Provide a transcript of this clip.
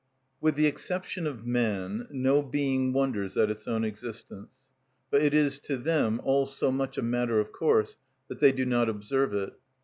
With the exception of man, no being wonders at its own existence; but it is to them all so much a matter of course that they do not observe it.